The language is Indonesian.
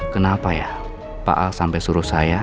kenapa ya pak al sampai suruh saya